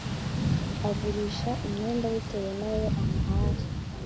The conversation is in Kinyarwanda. agurisha imyenda bitewe nayo umuhaye